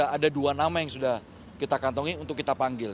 ada dua nama yang sudah kita kantongi untuk kita panggil